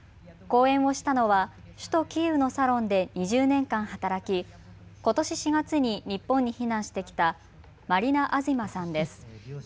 講演をしたのは首都キーウのサロンで２０年間働き、ことし４月に日本に避難してきたマリナ・アズィマさんです。